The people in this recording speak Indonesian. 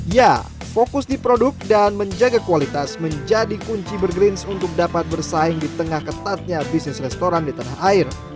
ya fokus di produk dan menjaga kualitas menjadi kunci burgerins untuk dapat bersaing di tengah ketatnya bisnis restoran di tanah air